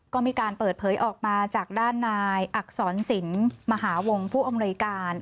ก็มีการเปิดเผยออกมาจากด้านนายอักษรศิลป์มหาวงผู้อำนวยการ